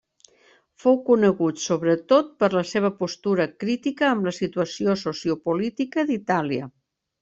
Fou conegut sobretot per la seva postura crítica amb la situació sociopolítica d'Itàlia.